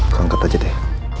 kau angkat aja deh